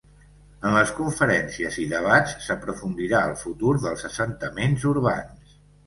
En les conferències i debats s’aprofundirà el futur dels assentaments urbans.